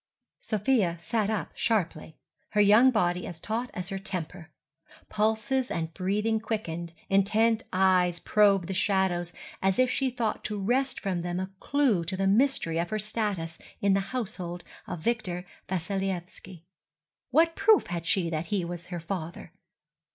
Sofia sat up sharply, her young body as taut as her temper. Pulses and breathing quickened, intent eyes probed the shadows as if she thought to wrest from them a clue to the mystery of her status in the household of Victor Vassilyevski. What proof had she that he was her father?